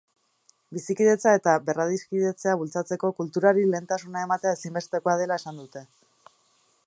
Bizikidetza eta berradiskidetzea bultzatzeko kulturari lehentasuna ematea ezinbestekoa dela esan dute.